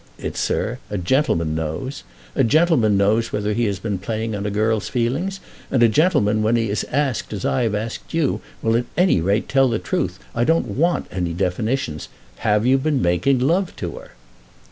"D it, sir, a gentleman knows. A gentleman knows whether he has been playing on a girl's feelings, and a gentleman, when he is asked as I have asked you, will at any rate tell the truth. I don't want any definitions. Have you been making love to her?"